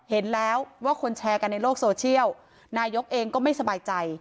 เห็นแล้วว่าคนแชร์กันในโลกโซเชียลนายกเองก็ไม่สบายใจ